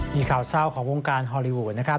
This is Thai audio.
มีข่าวเศร้าของวงการฮอลลีวูดนะครับ